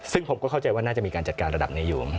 ซึ่งผมก็เข้าใจว่าน่าจะมีการจัดการระดับในหลวง